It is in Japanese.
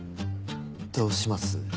どうします？